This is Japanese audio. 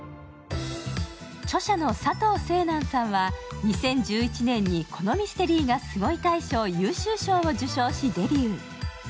著者の佐藤青南さんは、２０１１年にこのミステリーがすごい大賞優秀賞を受賞しデビュー。